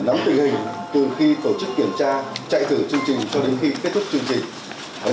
nắm tình hình từ khi tổ chức kiểm tra chạy thử chương trình cho đến khi kết thúc chương trình